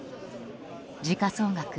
時価総額